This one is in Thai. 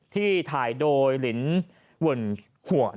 ที่ถ่ายโดยลินวัลหัว